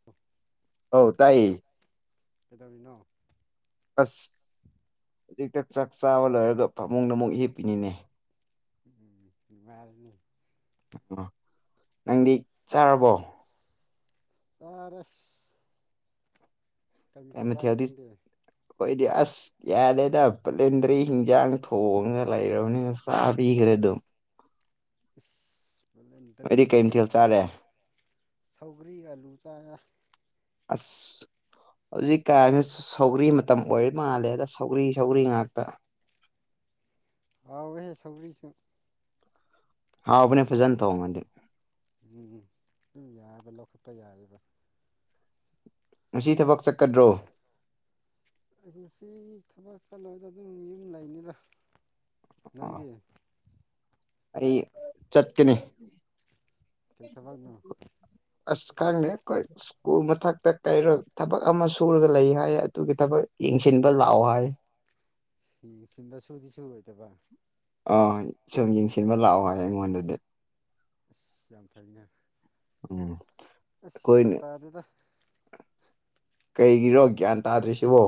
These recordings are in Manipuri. [unintelligible] ꯑꯧ ꯇꯥꯏꯌꯦ ꯀꯩꯗꯧꯔꯤꯅꯣ ꯑꯁ ꯍꯧꯖꯤꯛꯇ ꯆꯥꯛ ꯆꯥꯕ ꯂꯣꯏꯔꯒ ꯐꯃꯨꯡꯅ ꯑꯃꯨꯛ ꯍꯤꯞꯄꯤꯅꯤꯅꯦ ꯎ ꯏꯃꯔꯅꯤ ꯑꯣ ꯅꯪꯗꯤ ꯆꯥꯔꯕꯣ ꯇꯥꯔꯁ ꯃꯊꯦꯜ ꯆꯥꯒꯦ ꯀꯩꯃꯊꯦꯜꯗꯤ ꯅꯪꯗꯤ ꯑꯈꯣꯏꯗꯤ ꯑꯁ ꯌꯥꯔꯦꯗ ꯄꯂꯦꯟꯗ꯭ꯔꯦ ꯍꯤꯟꯖꯥꯡ ꯊꯣꯡꯉ ꯂꯩꯔꯕꯅꯤꯅ ꯆꯥꯕꯤꯈ꯭ꯔꯦ ꯑꯗꯨꯝ ꯏꯁ ꯐꯖꯦꯟ ꯅꯣꯏꯗꯤ ꯗ꯭ꯔꯦꯕ ꯀꯩ ꯃꯊꯦꯜ ꯍꯥꯎꯕ꯭ꯔꯅꯤ ꯆꯥꯔꯦ ꯁꯧꯒ꯭ꯔꯤꯒ ꯑꯂꯨ ꯆꯥꯔ ꯑꯁ ꯍꯧꯖꯤꯛ ꯀꯥꯟꯁꯤ ꯁꯧꯒ꯭ꯔꯤ ꯃꯇꯝ ꯑꯣꯏꯔꯤ ꯃꯥꯜꯂꯦ ꯑꯗ ꯁꯧꯒ꯭ꯔꯤ ꯁꯧꯒ꯭ꯔꯤ ꯉꯥꯛꯇ ꯍꯥꯎꯋꯍꯦ ꯁꯧꯔꯤꯁꯨ ꯍꯥꯎꯕꯅꯦ ꯐꯖꯟ ꯊꯣꯡꯉꯗꯤ ꯎꯝ ꯑꯗꯨꯝ ꯌꯥꯑꯕ ꯂꯧꯈꯠꯄ ꯌꯥꯑꯕ ꯉꯁꯤ ꯊꯕꯛ ꯆꯠꯀꯗ꯭ꯔꯣ ꯑꯩ ꯁꯤ ꯊꯕꯛ ꯆꯠꯂꯨꯔꯗ ꯑꯗꯨꯝ ꯌꯨꯝ ꯂꯩꯅꯤꯗ ꯑꯣ ꯅꯪꯗꯤ ꯑꯩ ꯆꯠꯀꯅꯤ ꯆ ꯊꯕꯛꯅꯣ ꯑꯁ ꯈꯪꯗꯦ ꯀꯣꯏ ꯁ꯭ꯀꯨꯜ ꯃꯊꯛꯇ ꯀꯩꯔꯣ ꯊꯕꯛ ꯑꯃ ꯁꯨꯔꯒ ꯂꯩ ꯍꯥꯏ ꯑꯗꯨꯒꯤ ꯊꯕꯛ ꯌꯦꯡꯁꯤꯟꯕ ꯂꯥꯛꯑꯣ ꯍꯥꯏ ꯁꯤꯟꯕ ꯁꯨꯗꯤ ꯁꯨꯔꯣꯏꯗꯕ ꯑ ꯁꯨꯝ ꯌꯦꯡꯁꯤꯟꯕ ꯂꯥꯛꯑꯣ ꯍꯥꯏ ꯑꯩꯉꯣꯟꯗꯗꯤ ꯌꯥꯝ ꯐꯩꯅꯦ ꯎꯝ ꯇꯥꯗꯦꯗ [unintelligible] ꯀꯩꯒꯤꯔꯣ ꯒ꯭ꯌꯥꯟ ꯇꯥꯗ꯭ꯔꯤꯁꯤꯕꯣ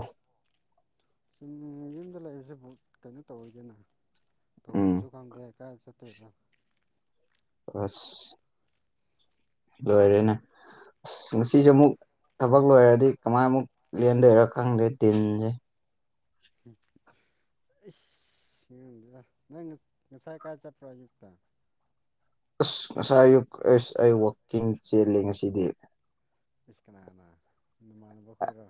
ꯁꯨꯨꯝ ꯌꯨꯝꯗ ꯂꯩꯕꯁꯤꯕꯨ ꯀꯩꯅꯣ ꯇꯧꯋꯤꯗꯅ ꯎꯝ ꯇꯧꯐꯝꯁꯨ ꯈꯪꯗꯦ ꯀꯥꯏꯗ ꯆꯠꯇꯣꯏꯕ ꯑꯁ ꯂꯣꯏꯔꯦꯅ ꯑ ꯉꯁꯤꯁꯦ ꯑꯃꯨꯛ ꯊꯕꯛ ꯂꯣꯏꯔꯗꯤ ꯀꯃꯥꯏ ꯑꯃꯨꯛ ꯂꯦꯟꯗꯣꯏꯔ ꯈꯪꯗꯦ ꯇꯤꯟꯁꯦ ꯏꯗ ꯅꯪ ꯉꯁꯥꯏ ꯀꯥꯏ ꯆꯠꯄ꯭ꯔꯣ ꯑꯌꯨꯛꯇ ꯑꯁ ꯉꯁꯥꯏ ꯑ ꯑꯁ ꯑꯩ ꯋꯥꯛꯀꯤꯡ ꯆꯦꯜꯂꯦ ꯉꯁꯤꯗꯤ ꯏꯁ ꯀꯅꯥꯅ ꯅꯃꯥꯟꯅꯕ ꯈꯣꯏꯔꯣ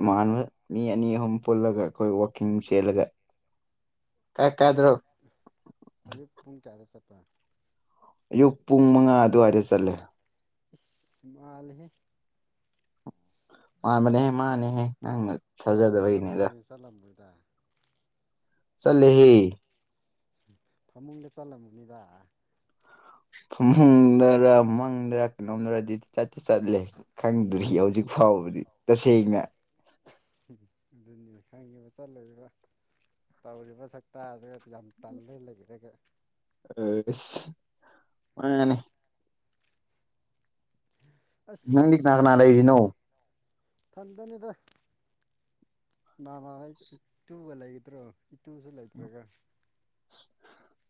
ꯏꯃꯅꯕ ꯃꯤ ꯑꯅꯤ ꯑꯍꯨꯝ ꯄꯨꯜꯂꯒ ꯑꯩꯈꯣꯏ ꯋꯥꯛꯀꯤꯡ ꯆꯦꯜꯂꯒ ꯀꯥꯏ ꯑꯌꯨꯛ ꯀꯥꯏꯗ꯭ꯔꯣ ꯑꯌꯨꯛ ꯄꯨꯡ ꯀꯌꯥꯗ ꯆꯠꯄ ꯑꯌꯨꯛ ꯄꯨꯡ ꯃꯉꯥ ꯑꯗꯨꯋꯥꯏꯗ ꯆꯠꯂꯦ ꯏꯁ ꯃꯥꯜꯂꯦꯍꯦ ꯃꯥꯃꯅꯦ ꯃꯥꯅꯦ ꯅꯪꯅ ꯆꯠꯇꯤ ꯊꯥꯖꯗꯕꯒꯤꯅꯤꯗ ꯆꯠꯇꯄ꯭ꯔꯅꯤꯅ ꯆꯠꯂꯝꯕꯣꯏꯗ ꯆꯠꯂꯦ ꯐꯃꯨꯡ ꯂꯦꯞ ꯆꯜꯂꯝꯨꯅꯤꯗꯥ ꯈꯃꯪꯗꯔ ꯃꯪꯗꯔ ꯀꯩꯅꯣꯝꯗ꯭ꯔ ꯑꯗꯨꯗꯤ ꯆꯠꯇꯦ ꯆꯠꯂꯦ ꯈꯪꯗ꯭ꯔꯤ ꯍꯧꯖꯤꯛ ꯐꯥꯎꯕꯗꯤ ꯇꯁꯦꯡꯅ ꯑꯗꯨꯅꯦ ꯈꯪꯉꯦꯕ ꯆꯠꯂꯣꯏꯔ ꯇꯧꯔꯤꯕ ꯁꯛꯇꯥꯗꯨ ꯌꯥꯝ ꯇꯜꯂ ꯂꯩꯕꯤꯔꯒ ꯑ ꯃꯥꯅꯦ ꯑ ꯅꯪꯗꯤ ꯀꯅꯥ ꯀꯅꯥ ꯂꯩꯔꯤꯅꯣ ꯊꯟꯗꯅꯤꯗ ꯅꯃ ꯏꯇꯨꯒ ꯂꯩꯒꯗ꯭ꯔꯣ ꯏꯇꯨꯁꯨ ꯂꯩꯇ꯭ꯔꯒ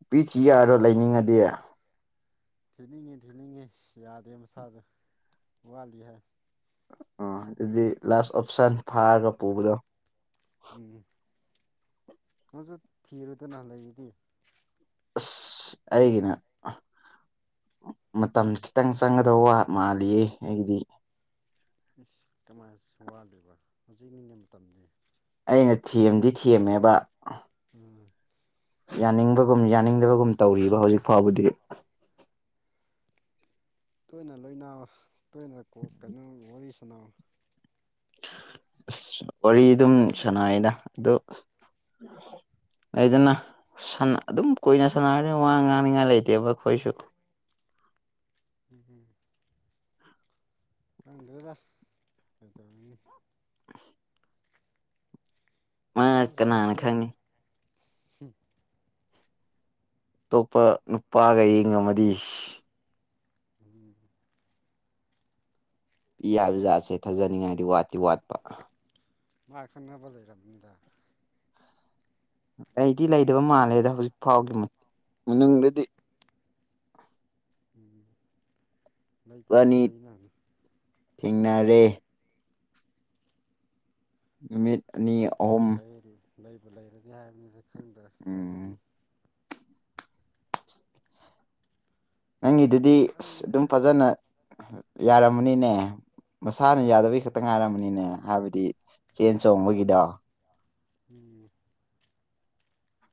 ꯄꯤ ꯊꯤ ꯌꯥꯔꯣ ꯂꯩꯅꯤꯡꯉꯗꯤ ꯊꯤꯅꯤꯡꯉꯤ ꯊꯤꯅꯤꯡꯉꯤ ꯌꯥꯗꯦ ꯃꯁꯥꯗꯣ ꯋꯥꯠꯂꯤ ꯍꯥꯏ ꯑ ꯑꯗꯨꯗꯤ ꯂꯥꯁ ꯑꯣꯞꯁꯟ ꯐꯥꯔꯒ ꯄꯨꯕꯗꯣ ꯎꯝ ꯃꯁꯨ ꯊꯤꯔꯨꯗꯅ ꯂꯩꯔꯤꯗꯤ ꯑꯁ ꯑꯩꯒꯤꯅꯦ ꯃꯇꯝ ꯈꯤꯇꯪ ꯆꯪꯒꯗ ꯋꯥ ꯃꯥꯜꯂꯤꯌꯦ ꯑꯩꯗꯤ ꯏꯁ ꯀꯃꯥꯏꯅ ꯋꯥꯗꯣꯏꯕ ꯍꯧꯖꯤꯛ ꯅꯤꯡꯉ ꯃꯇꯝ ꯑꯩꯅ ꯊꯤꯝꯗꯤ ꯊꯦꯝꯃꯦꯕ ꯎꯝ ꯌꯥꯅꯤꯡꯕꯒꯨꯝ ꯌꯥꯅꯤꯡꯗꯕꯒꯨꯝ ꯇꯧꯔꯤꯕ ꯍꯧꯖꯤꯛ ꯐꯥꯎꯕꯗꯤ ꯇꯣꯏꯅ ꯂꯣꯏꯅꯥ ꯇꯣꯏꯅꯣꯛ ꯀꯩꯅꯣ ꯋꯥꯔꯤ ꯁꯅꯥꯎ ꯑꯁ ꯋꯥꯔꯤ ꯑꯗꯨꯝ ꯁꯥꯟꯅꯩꯩꯅ ꯑꯣ ꯑꯩꯗꯅ ꯑꯗꯨꯝ ꯀꯨꯏꯅ ꯁꯥꯟꯅꯔꯅꯤ ꯋꯥ ꯉꯥꯡꯅꯤꯡꯉꯥꯏ ꯂꯩꯇꯦꯕ ꯑꯩꯈꯣꯏꯁꯨ ꯎꯝꯝ ꯈꯪꯗꯦꯗꯥ ꯀꯩꯇꯧꯔꯨꯅꯤ [unintelligible] ꯃꯥ ꯀꯅꯥꯅ ꯑꯩꯁꯥꯕꯁꯨ ꯌꯥꯝ ꯈꯪꯅꯤ ꯑꯇꯣꯞꯄ ꯅꯨꯄꯥꯒ ꯌꯦꯡꯉꯝ ꯑꯃꯗꯤꯗꯤ ꯎ ꯌꯥ ꯖꯥꯠꯁꯦ ꯊꯥꯖꯅꯤꯡꯉꯥꯏꯗꯤ ꯋꯥꯠꯇꯤ ꯋꯥꯠꯄ ꯃꯥ ꯑꯦꯈꯣꯏ ꯅꯕꯖꯩꯔꯗ ꯑꯩꯗꯤ ꯂꯩꯗꯕ ꯃꯥꯜꯂꯦꯗ ꯍꯧꯖꯤꯛ ꯐꯥꯎꯒꯤ ꯃꯅꯨꯡꯗꯗꯤ ꯎꯝ ꯂꯩꯇ꯭ꯔꯗꯤ ꯋꯥꯅꯤ ꯐꯩ ꯅꯍꯥꯟꯅꯤ ꯊꯦꯡꯅꯔꯦ ꯃꯤ ꯂꯩꯇ꯭ꯔꯗꯤ ꯐꯩ ꯂꯩꯕ ꯂꯩꯔꯅꯤ ꯍꯥꯏꯕꯅꯤꯅ ꯈꯪꯗ ꯂꯩꯔꯅꯤ ꯎꯝ ꯅꯪꯒꯤꯗꯨꯗꯤ ꯑꯁ ꯑꯗꯨꯝ ꯑꯩꯍꯥ ꯐꯖꯅ ꯌꯥꯔꯝꯃꯅꯤꯅꯦ ꯃꯁꯥꯅ ꯌꯥꯗꯕꯒꯤ ꯈꯛꯇ ꯉꯥꯏꯔꯝꯕꯅꯤꯅꯦ ꯍꯥꯏꯕꯗꯤ ꯆꯦꯟ ꯆꯣꯡꯕꯒꯤꯗꯣ ꯎꯝ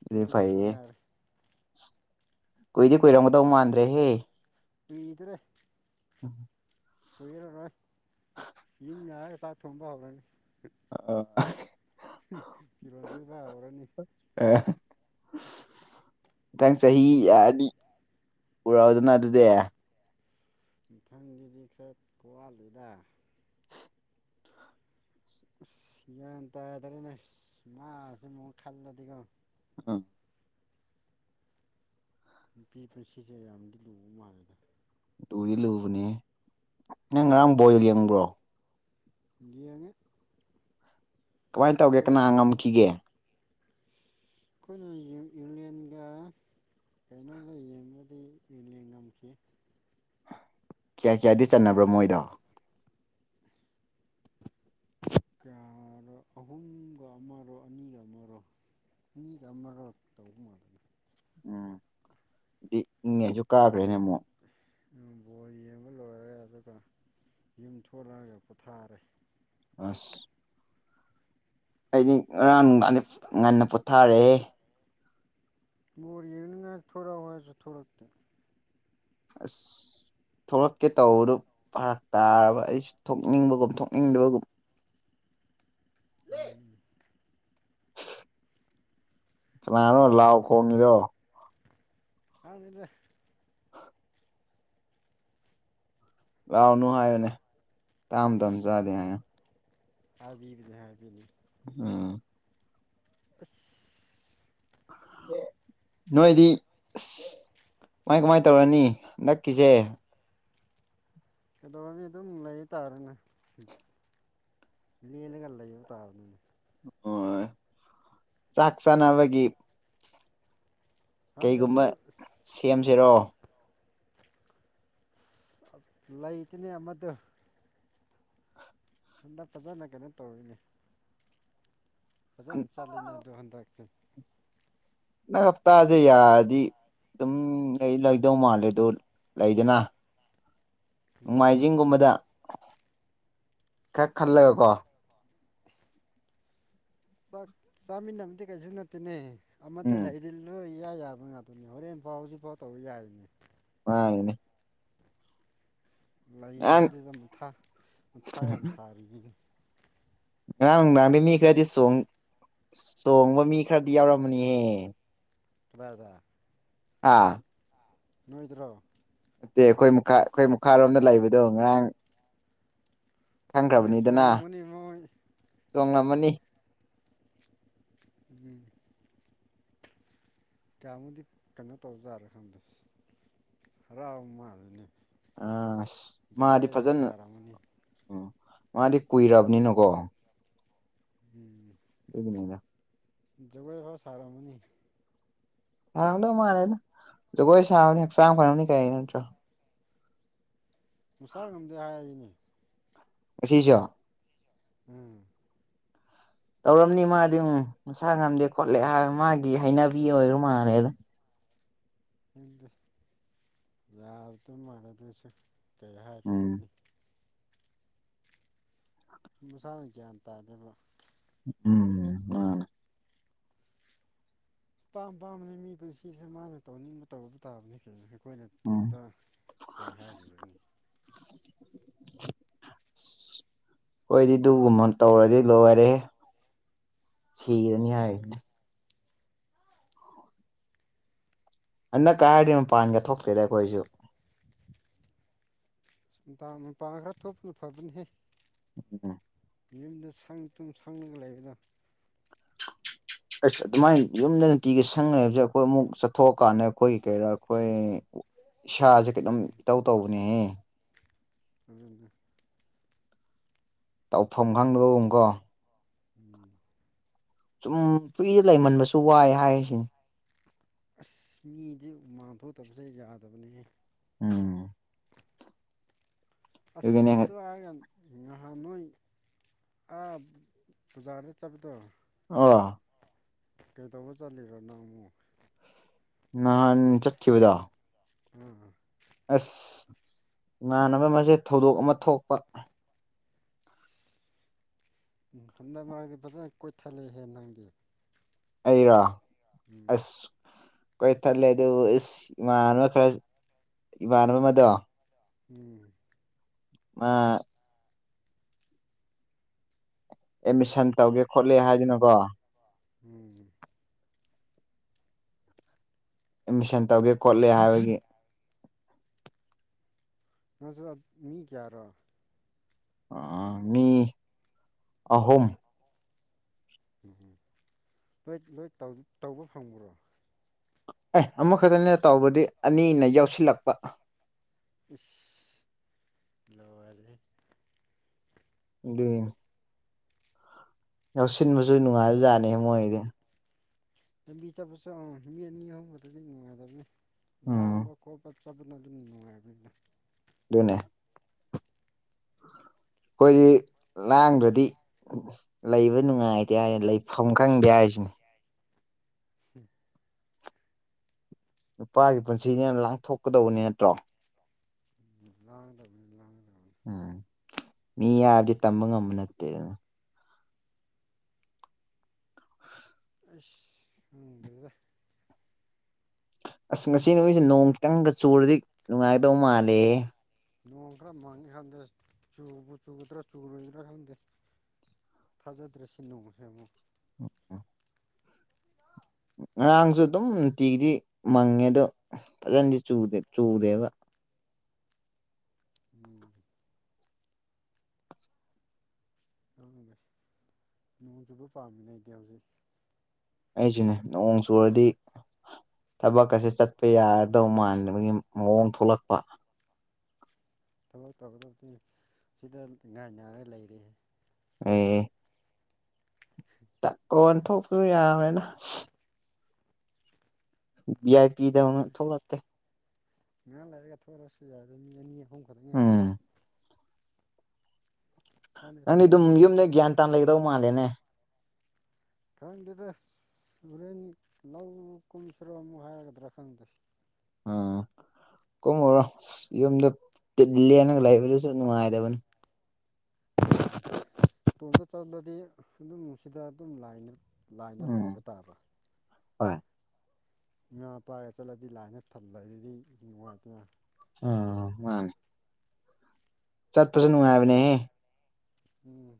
ꯑꯗꯨ ꯈꯛꯇ ꯐꯩꯌꯦ ꯉꯥꯏꯔꯦ ꯀꯨꯏꯗꯤ ꯀꯨꯏꯔꯝꯒꯗꯧ ꯃꯥꯟꯗ꯭ꯔꯦꯍꯦ ꯀꯨꯏꯗ꯭ꯔꯦ ꯎꯝ ꯀꯣꯏꯔꯔꯣꯏ ꯌꯨꯝ ꯆꯥꯛ ꯊꯣꯡꯕ ꯍꯧꯔꯅꯤ ꯑ ꯐꯤꯔꯣꯟ ꯁꯨꯕ ꯍꯧꯔꯅꯤ ꯑ ꯃꯊꯪ ꯆꯍꯤ ꯊꯥꯡ ꯌꯥꯔꯅꯤ ꯄꯨꯔꯛꯎꯗꯅ ꯑꯗꯨꯗꯤ ꯃꯊꯪꯒꯤꯗꯤ ꯈꯔ ꯋꯥꯠꯂꯤꯗ ꯑꯁ ꯒ꯭ꯌꯥꯟ ꯇꯥꯗ꯭ꯔꯦꯅꯦ ꯃꯥꯁ ꯑꯃꯨꯛ ꯈꯜꯂꯗꯤꯀꯣ ꯑ ꯅꯨꯄꯤ ꯄꯨꯟꯁꯤꯁꯦ ꯌꯥꯝꯗꯤ ꯂꯨꯕ ꯃꯥꯜꯂꯦꯗ ꯂꯨꯗꯤ ꯂꯨꯕꯅꯦ ꯅꯪ ꯉꯔꯥꯡ ꯕꯣꯜ ꯌꯦꯡꯕ꯭ꯔꯣ ꯌꯦꯡꯉꯤ ꯀꯃꯥꯏꯅ ꯇꯧꯒꯦ ꯀꯅꯥ ꯉꯝꯈꯤꯒꯦ ꯑꯩꯈꯣꯏꯅ ꯏꯪꯂꯦꯟꯒ ꯀꯩꯅꯣꯗ ꯌꯦꯡꯕꯗꯤ ꯏꯪꯂꯦꯟꯅ ꯉꯝꯈꯤ ꯀ꯭ꯌꯥ ꯀ꯭ꯌꯥꯗꯤ ꯆꯟꯅꯕ꯭ꯔꯣ ꯃꯣꯏꯗꯣ ꯀꯌꯥꯔꯣ ꯑꯍꯨꯝꯒ ꯑꯃꯔꯣ ꯑꯅꯤꯒ ꯑꯃꯔꯣ ꯑꯅꯤꯒ ꯑꯃꯔ ꯇꯧꯕ ꯃꯥꯜꯂꯤꯅꯦ ꯎꯝ ꯃꯣꯏ ꯀꯥꯈ꯭ꯔꯦꯅꯦ ꯑꯃꯨꯛ ꯕꯣꯜ ꯌꯦꯡꯕ ꯂꯣꯏꯔꯦ ꯑꯗꯨꯒ ꯌꯨꯝ ꯊꯣꯔ‌ꯑꯒ ꯄꯣꯊꯥꯔꯦ ꯑꯁ ꯑꯩꯗꯤ ꯉꯔꯥꯡ ꯅꯨꯡꯗꯥꯡꯗꯤ ꯉꯟꯅ ꯄꯣꯊꯥꯔ‌ꯦꯍ‌ꯦ ꯕꯣꯜ ꯌꯦꯡꯅꯤꯉꯥꯏ ꯊꯣꯛꯔꯛꯎ ꯍꯥꯌꯕꯁꯨ ꯊꯣꯛꯔꯛꯇꯦ ꯑꯁ ꯊꯣꯛꯂꯛꯀꯦ ꯇꯧꯕꯗꯨ ꯐꯔꯛ ꯇꯥꯔꯕ ꯑꯩꯁꯨ ꯊꯣꯛꯅꯤꯡꯕꯒꯨꯝ ꯊꯣꯛꯅꯤꯡꯗꯕꯒꯨꯝ ꯂꯦ ꯀꯅꯥꯅꯣ ꯂꯥꯎ ꯈꯪꯗ꯭ꯔꯦꯗ ꯈꯣꯡꯉꯤꯗꯣ ꯈꯪꯗꯦꯗ ꯂꯥꯎꯅꯨ ꯍꯥꯏꯌꯨꯅꯦ ꯃꯇꯥꯡ ꯃꯇꯝꯗ ꯆꯥꯗꯦ ꯍꯥꯏꯌꯨ ꯍꯥꯏꯕꯤꯕꯗꯤ ꯍꯥꯏꯕꯤꯅꯤ ꯎꯝ ꯑꯁ ꯅꯣꯏꯗꯤ ꯑꯁ ꯀꯃꯥꯏ ꯀꯃꯥꯏ ꯇꯧꯔꯅꯤ ꯍꯟꯗꯛ ꯀꯖꯦ ꯀꯩꯗꯧꯔꯅꯤ ꯑꯗꯨꯝ ꯂꯩ ꯇꯥꯔꯦꯅꯦ ꯂꯦꯜꯂꯒ ꯂꯩꯕ ꯇꯥꯕꯅꯤꯅ ꯑꯣ ꯆꯥꯛ ꯆꯅꯕꯒꯤ ꯈꯪꯗꯦ ꯑꯗꯨ ꯀꯩꯒꯨꯝꯕ ꯁꯦꯝꯁꯤꯔꯣ ꯂꯩꯇꯦꯅꯦ ꯑꯃꯗꯨ ꯍꯟꯗꯛ ꯐꯖꯅ ꯀꯩꯅꯣ ꯇꯧꯔꯤꯅꯦ ꯐꯖꯅ ꯆꯠꯂꯤꯅꯦ ꯑꯗꯣ ꯍꯟꯗꯛꯁꯦ ꯅꯪ ꯍꯞꯇꯥꯁꯦ ꯌꯥꯔꯗꯤ ꯑꯗꯨꯝ ꯂꯩꯗꯧ ꯃꯥꯜꯂꯦ ꯑꯗꯨ ꯂꯩꯗꯅ [unintelligible] ꯅꯣꯡꯃꯥꯏꯖꯤꯡꯒꯨꯝꯕꯗ ꯀ ꯎꯝ ꯈꯜꯂꯦꯒꯀꯣ ꯆꯥꯛ ꯆꯥꯃꯤꯟꯅꯕꯗꯤ ꯀꯩꯁꯨ ꯅꯠꯇꯦꯅꯦ ꯑꯃꯗ ꯎꯝ ꯂꯩꯔꯤ ꯅꯣꯏ ꯏꯌꯥ ꯌꯥꯕ ꯉꯥꯛꯇꯅꯦ ꯍꯣꯔꯦꯟꯐꯥꯎ ꯍꯧꯖꯤꯛꯐꯥꯎ ꯇꯧꯕ ꯌꯥꯔꯤꯅꯦ ꯃꯥꯅꯤꯅ‌ꯦ ꯉꯔꯥꯡ ꯂꯩꯗꯕꯗꯨꯗ ꯃꯊꯥ ꯃꯊꯥ ꯌꯥꯝ ꯁꯥꯔꯤꯕꯅꯤ ꯉꯔꯥꯡ ꯅꯨꯡꯗꯥꯡꯗꯤ ꯃꯤ ꯈꯔꯗꯤ ꯆꯣꯡꯕ ꯃꯤ ꯈꯔꯗꯤ ꯌꯥꯎꯔꯝꯃꯅꯤꯍꯦ ꯀꯗꯥꯏꯗ ꯑꯥ ꯅꯣꯏꯗ꯭ꯔꫭ ꯗꯦ ꯑꯩꯈꯣꯏ ꯃꯈꯥ ꯑꯩꯈꯣꯏ ꯃꯈꯥꯔꯣꯝꯗ ꯂꯩꯕꯗꯣ ꯉꯔꯥꯡ ꯅꯪꯅ ꯈꯪꯈ꯭ꯔꯕꯅꯤꯗꯅ ꯆꯣꯡꯂꯝꯒꯅꯤ ꯃꯣꯏ ꯆꯣꯉꯝꯃꯅꯤ ꯎꯝ ꯀꯌꯥꯃꯨꯗꯤ ꯀꯩꯅꯣ ꯇꯧꯖꯥꯂ ꯈꯪꯗ꯭ꯔꯤꯁꯤ ꯍꯔꯥꯎ ꯃꯥꯜꯂꯦꯅꯤ ꯑ ꯑꯁ ꯃꯥꯗꯤ ꯐꯖꯅ ꯁꯥꯔꯝꯒꯅꯤ ꯎꯝ ꯃꯥꯗꯤ ꯀꯨꯏꯔꯕꯅꯤꯅꯀꯣ ꯎꯝ ꯑꯗꯨꯒꯤꯅꯤꯗꯥ ꯖꯒꯣꯏꯀꯥ ꯁꯔꯝꯅꯤ ꯌꯥꯔꯝꯗꯧ ꯃꯥꯥꯟꯂꯦꯗ ꯖꯒꯣꯏ ꯁꯥꯕꯅꯤ ꯍꯛꯆꯥꯡ ꯐꯔꯝꯅꯤ ꯀꯩ ꯍꯥꯏ ꯅꯠꯇ꯭ꯔꯣ ꯃꯁꯥ ꯉꯝꯗꯦ ꯍꯥꯏꯔꯤꯅꯤ ꯉꯁꯤꯁꫭ ꯎꯝ ꯇꯧꯔꯝꯅꯤ ꯃꯥꯗꯤ ꯎꯝ ꯃꯁꯥ ꯉꯝꯗꯦ ꯈꯣꯠꯂꯦ ꯍꯥꯏꯔꯒꯥ ꯃꯥꯒꯤ ꯍꯩꯅꯕꯤ ꯑꯣꯏꯔ ꯃꯥꯜꯂꯦꯗ ꯈꯪꯗ ꯌꯥꯕꯗ ꯃꯥꯟꯅꯗꯣꯏꯁꯨ ꯀꯩ ꯎꯝ ꯍꯥꯏꯈꯤꯔꯨꯅꯤ ꯃꯁꯥꯅ ꯒ꯭ꯌꯥꯟ ꯇꯥꯗ‌ꯦꯕ ꯎꯝꯝ ꯑꯄꯥꯝ ꯄꯥꯝꯕꯅꯤ ꯃꯤ ꯄꯨꯟꯁꯤꯁꯦ ꯃꯥꯅ ꯇꯧꯅꯤꯡꯕ ꯇꯧꯕ ꯇꯥꯕꯅꯤ ꯀꯩꯅꯅꯣ ꯑꯩꯈꯣꯏꯅ ꯎꯝ ꯇꯧꯅꯨꯗ ꯀꯩ ꯍꯥꯏꯔꯨꯔꯅꯤ ꯑꯁ ꯍꯣꯏꯗꯤ ꯑꯗꯨꯒꯨꯝꯕ ꯇꯧꯔꯗꯤ ꯂꯣꯏꯔꯦ ꯍꯤꯔꯅꯤ ꯍꯥꯏꯅꯦ ꯎꯝ ꯍꯟꯗꯛꯀ ꯍꯥꯏꯔꯗꯤ ꯃꯄꯥꯟꯒ ꯊꯣꯛꯇꯦꯗ ꯑꯩꯈꯣꯏꯁꯨ ꯅꯨꯡꯗꯥꯡ ꯅꯨꯡꯗꯥꯡ ꯈꯛ ꯊꫭꯛꯄꯅ ꯐꯕꯅꯤꯍꯦ ꯎꯝ ꯌꯨꯝꯗ ꯁꯪ ꯇꯨꯝ ꯁꯪꯉꯒ ꯂꯩꯕꯗꯣ ꯑꯁ ꯑꯗꯨꯃꯥꯏꯅ ꯌꯨꯝꯗ ꯇꯤꯒ ꯁꯪꯅꯦ ꯍꯥꯏꯕꯁꯦ ꯑꯩꯈꯣꯏ ꯑꯃꯨꯛ ꯆꯠꯊꯣꯛꯑꯀꯥꯟꯗ ꯑꯩꯈꯣꯏꯒꯤ ꯀꯩꯔꯥ ꯑꯩꯈꯣꯏ ꯏꯁꯥꯁꯦ ꯀꯩꯅꯥꯝ ꯏꯇꯧ ꯇꯧꯕꯅꯤꯌꯦ ꯑꯗꯨꯅꯦ ꯇꯧꯐꯝ ꯈꯪꯗꯕꯒꯨꯝ ꯀꯣ ꯎꯝ ꯁꯨꯝ ꯐ꯭ꯔꯤꯗ ꯂꯩꯃꯟꯕꯁꯨ ꯋꯥꯏ ꯍꯥꯏꯔꯤꯁꯤꯅꯤ ꯑꯁ ꯃꯤꯗꯤ ꯍꯨꯃꯥꯡ ꯊꯣꯛꯇꯕꯁꯦ ꯌꯥꯗꯕꯅꯤ ꯍꯦ ꯎꯝ ꯑꯁ ꯑꯗꯨꯒꯤꯅꯦ ꯑꯗꯨ ꯍꯥꯏꯔꯒ ꯉꯍꯥꯟ ꯅꯣꯏ ꯑꯥ ꯕꯖꯥꯔꯗ ꯆꯠꯄꯗꯣ ꯑꯣ ꯀꯩꯗꯧꯕ ꯆꯠꯂꯤꯔꯣ ꯅꯪꯕꯨ ꯅꯍꯥꯟ ꯆꯠꯈꯤꯕꯗꯣ ꯎꯨꯝ ꯑꯁ ꯏꯃꯥꯟꯅꯕ ꯃꯁꯦ ꯊꯧꯗꯣꯛ ꯑꯃ ꯊꯣꯛꯄ ꯅꯨꯡꯊꯤꯠ ꯗꯀꯥ ꯐꯖꯅ ꯀꯣꯏꯊꯠꯂꯦ ꯍꯦ ꯅꯪꯗꯤ ꯑꯩꯔꯥ ꯎꯝ ꯑꯁ ꯀꯣꯏ ꯊꯠꯂꯦ ꯑꯗꯨ ꯏꯁ ꯏꯃꯥꯟꯅꯕ ꯈꯔ ꯏꯃꯥꯟꯅꯕ ꯑꯃꯗꯣ ꯎꯝ ꯃꯥ ꯑꯦꯠꯃꯤꯁꯟ ꯇꯧꯒꯦ ꯈꯣꯠꯂꯦ ꯍꯥꯏꯗꯨꯅꯀꯣ ꯎꯝ ꯑꯦꯠꯃꯤꯁꯟ ꯇꯧꯒꯦ ꯈꯣꯠꯂꯦ ꯍꯥꯏꯕꯒꯤ ꯅꯁꯨ ꯃꯤ ꯀꯦꯔꯣ ꯑꯥ ꯃꯤ ꯑꯍꯨꯝ ꯎꯝꯍꯨꯝ ꯂꯣꯏ ꯂꯣꯏ ꯇꯧꯕ ꯐꯪꯕ꯭ꯔꯣ ꯑꯦ ꯑꯃꯈꯛꯇꯅ ꯇꯧꯕꯗꯤ ꯑꯅꯤꯅ ꯌꯥꯎꯁꯤꯜꯂꯛꯄ ꯏꯁ ꯂꯣꯏꯔꯦꯍꯦ ꯑ [unintelligible] ꯌꯥꯎꯁꯤꯟꯕꯁꯨ ꯅꯨꯡꯉꯥꯏꯕ ꯖꯥꯠꯅꯤ ꯃꯣꯏꯗꯤ ꯂꯝꯕꯤ ꯆꯠꯄꯁꯨ ꯑ ꯃꯤ ꯑꯅꯤ ꯑꯍꯨꯝ ꯈꯛꯇꯗꯤ ꯅꯨꯡꯉꯥꯏꯗꯕꯅꯤ ꯎꯝ ꯂꯥꯡꯕ ꯈꯣꯠꯄ [unintelligible] ꯑꯗꯨꯝ ꯅꯨꯡꯉꯥꯏꯔꯝꯅꯤꯗ ꯑꯗꯨꯅꯦ ꯑꯩꯈꯣꯏꯒꯤ ꯂꯥꯡꯗ꯭ꯔꯗꯤ ꯂꯩꯕ ꯅꯨꯡꯉꯥꯏꯇꯦ ꯍꯥꯏꯔꯦ ꯂꯩꯐꯝ ꯈꯪꯗꯦ ꯍꯥꯏꯔꯤꯁꯤꯅꯦ ꯍꯥꯝ ꯅꯨꯄꯥꯒꯤ ꯄꯨꯟꯁꯤꯅꯤꯅ ꯂꯥꯡꯊꯣꯛꯀꯗꯧꯕꯅꯤ ꯅꯠꯇ꯭ꯔꯣ ꯎꯝ ꯂꯥꯡꯗꯕꯅꯤ ꯂꯥꯡꯗꯕꯅꯤ ꯎꯝ ꯃꯤ ꯌꯥꯔꯗꯤ ꯇꯝꯕ ꯉꯝꯕ ꯅꯠꯇꯦ ꯑꯗꯨꯅ ꯑꯁ ꯈꯪꯗꯔ꯭ꯦꯗꯥ ꯑꯁ ꯉꯁꯤ ꯅꯨꯣꯡꯃꯤꯣꯏꯁꯦ ꯅꯣꯡ ꯆꯪꯒ ꯆꯨꯔꯗꯤ ꯅꯨꯡꯉꯥꯏꯒꯗꯧ ꯃꯥꯜꯂꯦ ꯅꯣꯡ ꯈꯔ ꯃꯥꯡꯒꯦ ꯈꯪꯗ ꯆꯨꯕꯨ ꯆꯨꯗ꯭ꯔ ꯆꯨꯔꯣꯏꯗ꯭ꯔꯥ ꯈꯪꯗꯦ ꯊꯥꯖꯗ꯭ꯔꯁꯤ ꯅꯣꯡꯃꯁꯦ ꯑꯃꯨꯛ ꯎ [unintelligible] ꯉꯔꯥꯡꯁꯨ ꯑꯗꯨꯝ ꯅꯨꯡꯇꯤꯒꯤꯗꯤ ꯃꯪꯉꯦ ꯑꯗꯣ ꯐꯖꯅꯗꯤ ꯆꯨꯗꯦꯕ ꯎꯝ ꯑꯗꯨꯒꯁꯨ ꯅꯣꯡꯆꯨꯕ ꯄꯥꯝꯃꯅꯦ ꯑꯩꯗꯤ ꯍꯧꯖꯤꯛ ꯑꯩꯁꯤꯅꯦ ꯅꯣꯡ ꯆꯨꯔꯗꯤ ꯊꯕꯛ ꯀꯥꯁꯦ ꯆꯠꯄ ꯌꯥꯒꯗꯧ ꯃꯟꯗꯕꯒꯤ ꯃꯑꯣꯡ ꯊꯣꯛꯂꯛꯄ ꯊꯕꯛ ꯇꯧꯒꯗꯕꯗꯤ ꯁꯤꯗ ꯉꯥꯏꯅꯥꯔꯒ ꯂꯩꯔꯤ ꯑꯦ ꯇꯥꯛ ꯑꯣꯟꯊꯣꯛꯄꯗꯨ ꯌꯥꯔꯣꯏ ꯗꯥ ꯕꯤ ꯑꯥꯏ ꯄꯤꯗꯎꯅ ꯊꯧꯂꯛꯦ ꯉꯍꯥ ꯂꯩꯔꯒ ꯊꯣꯛꯂꯛ ꯑꯥꯁꯨ ꯌꯥꯏꯗꯦ ꯃꯤ ꯑꯅꯤ ꯑꯍꯨꯝ ꯈꯛꯇꯪ ꯎꯝ ꯉꯥꯏꯔꯤꯗ ꯀꯥꯟꯗ ꯅꯪꯗꯤ ꯑꯗꯨꯝ ꯊꯕꯛꯁꯨ ꯌꯨꯝꯗ ꯒ꯭ꯌꯥꯟ ꯇꯥꯥꯟ ꯂꯩꯒꯗꯧ ꯃꯥꯜꯂꯦꯅꯦ ꯈꯪꯗꯦꯗ ꯍꯣꯔꯦꯟ ꯂꯧ ꯀꯨꯝꯁꯤꯔꯥ ꯑꯃꯨꯛ ꯍꯥꯏꯔꯥꯒꯗ꯭ꯔꯥ ꯈꯪꯗꯦ ꯎꯝ ꯀꯨꯝꯃꯨꯔꯣ ꯌꯨꯝꯗ ꯗꯤꯜꯂꯦꯅ ꯂꯩꯕꯗꯨꯁꯨ ꯅꯨꯡꯉꯥꯏꯗꯕꯅꯤ ꯎꯝ ꯇꯣꯝꯇ ꯆꯠꯂꯗꯤ ꯑꯗꯨꯝꯅꯨꯡ ꯁꯤꯗ ꯑꯗꯨꯝ ꯂꯥꯏꯅ ꯂꯥꯏꯟꯗꯥ ꯎꯝ ꯂꯩꯕ ꯇꯥꯕ ꯍꯣꯏ ꯉꯥ ꯄꯥꯏꯔꯒꯥ ꯆꯠꯂꯗꯤ ꯂꯥꯏꯅ ꯊꯝꯂꯒꯥꯗꯤ ꯅꯨꯡꯉꯥꯏꯇꯦꯗꯥ ꯑꯣ ꯃꯥꯅꯤ ꯑꯗꯁ ꯅꯨꯡꯉꯥꯏꯕꯅꯦꯍꯦ ꯎꯝ